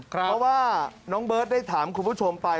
เพราะว่าน้องเบิร์ตได้ถามคุณผู้ชมไป